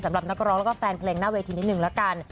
สำหรับนักร้องแล้วก็แฟนเพลงหน้าเวทีนิดนึงละกัน